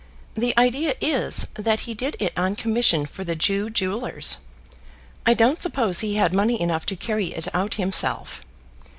The idea is, that he did it on commission for the Jew jewellers. I don't suppose he had money enough to carry it out himself.